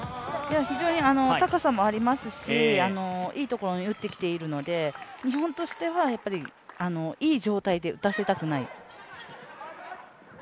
非常に高さもありますし、いいところに打ってきているので日本としてはいい状態で打たせたくない。